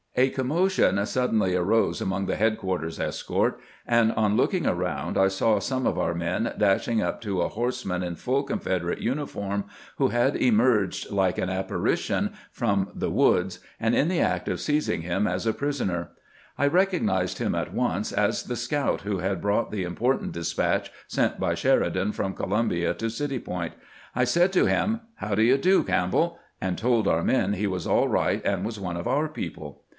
A commotion suddenly arose among the head quarters escort, and on looking round, I saw some of our men dashing up to a horseman in full Confederate uni form, who had emerged like an apparition from the woods, and in the act of seizing him as a prisoner. I recognized him at once as the scout who had brought the important despatch sent by Sheridan from Columbia to City Point. I said to him, " How do you do, Camp bell?" and told our men he was all right, and was one of our people.